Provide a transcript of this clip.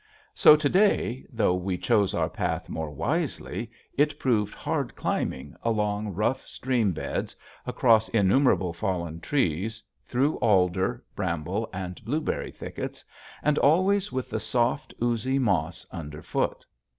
So to day, though we chose our path more wisely, it proved hard climbing along rough stream beds, across innumerable fallen trees, through alder, bramble, and blueberry thickets, and always with the soft, oozy moss underfoot.